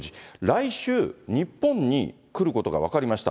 来週、日本に来ることが分かりました。